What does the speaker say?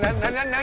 何？